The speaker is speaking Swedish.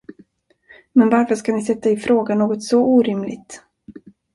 Men varför skall ni sätta i fråga något så orimligt?